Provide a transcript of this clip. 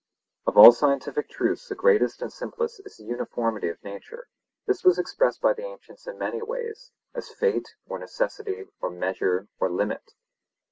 Of all scientific truths the greatest and simplest is the uniformity of nature; this was expressed by the ancients in many ways, as fate, or necessity, or measure, or limit.